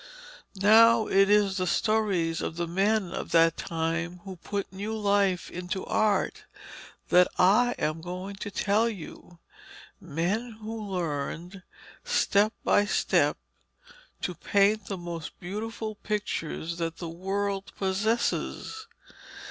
Now it is the stories of the men of that time, who put new life into Art, that I am going to tell you men who learned, step by step, to paint the most beautiful pictures that the world possesses.